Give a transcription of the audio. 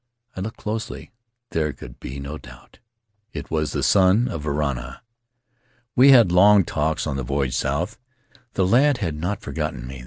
I looked closely; there could be no doubt — it was the son of Varana. "We had long talks on the voyage south; the lad had not forgotten me.